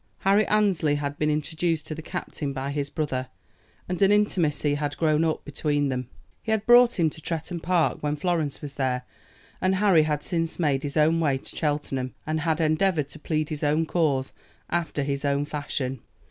Harry Annesley had been introduced to the captain by his brother, and an intimacy had grown up between them. He had brought him to Tretton Park when Florence was there, and Harry had since made his own way to Cheltenham, and had endeavored to plead his own cause after his own fashion.